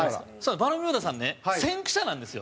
バルミューダさんね先駆者なんですよ。